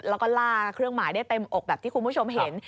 แล้วก็ล่าเครื่องหมายได้เต็มอกแบบที่คุณผู้ชมเห็น